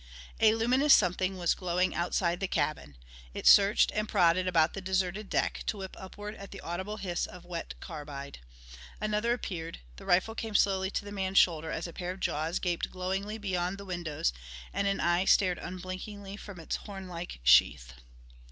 A luminous something was glowing outside the cabin. It searched and prodded about the deserted deck to whip upward at the audible hiss of wet carbide. Another appeared; the rifle came slowly to the man's shoulder as a pair of jaws gaped glowingly beyond the windows and an eye stared unblinkingly from its hornlike sheath.